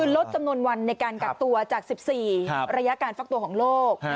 ลดจำนวนวันในการกักตัวจาก๑๔ระยะการฟักตัวของโลก